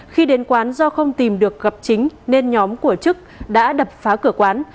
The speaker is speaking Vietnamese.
khi đến quán do không tìm được gặp chính nên nhóm của chức đã đập phá cửa quán